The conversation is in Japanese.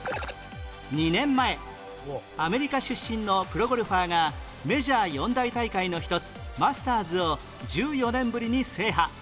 ２年前アメリカ出身のプロゴルファーがメジャー４大大会の一つマスターズを１４年ぶりに制覇